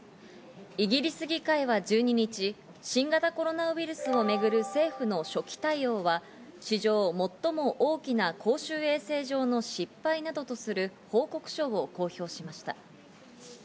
イギリス議会は１２日、新型コロナウイルスをめぐる政府の初期対応は、史上最も大きな公衆衛生上の失敗などとする報告書を公表しました。